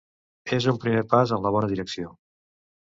És un primer pas en la bona direcció.